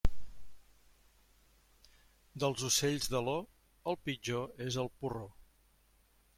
Dels ocells d'aló, el pitjor és el porró.